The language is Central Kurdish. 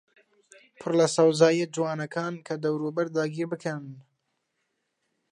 پڕ لە سەوزاییە جوانەکان کە دەوروبەر داگیربکەن